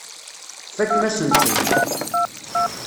Tfakem-asen-ten.